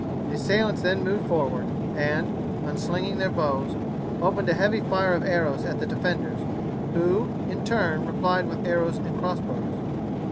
The assailants then moved forward and, unslinging their bows, opened a heavy fire of arrows at the defenders, who, in turn, replied with arrows and cross bows.